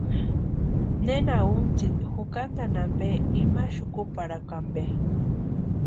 ¿Nena untsini jukantani ampe, imani xukuparhakua ampe?